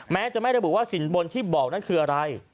แม้จะไม่ระบุว่าสินบนที่บอกนั่นคืออะไร